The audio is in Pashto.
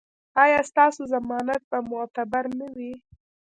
ایا ستاسو ضمانت به معتبر نه وي؟